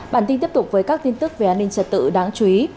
bản tin tiếp tục với các tin tức về an ninh trật tự đáng chú ý